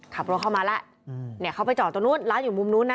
ขับรถเข้ามาแล้วเนี่ยเขาไปจอดตรงนู้นร้านอยู่มุมนู้นนะ